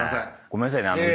ごめんなさいね。